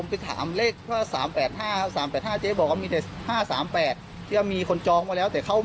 มาเป็นเกินกำหนดมาแล้ว